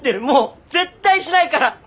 もう絶対しないから。